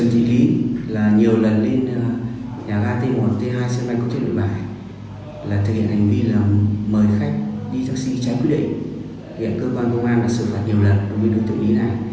hiện hành vi là mời khách đi taxi trái quy định hiện cơ quan công an đã xử phạt nhiều lần đối với đối tượng lý này